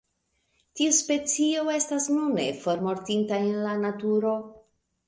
Tiu specio estas nune formortinta en la naturo.